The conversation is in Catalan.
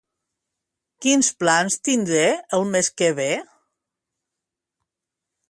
Quins plans tindré el mes que ve?